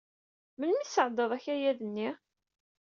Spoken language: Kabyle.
Melmi i tesɛeddaḍ akayad-nni?